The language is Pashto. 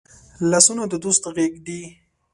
لاسونه د دوست غېږ دي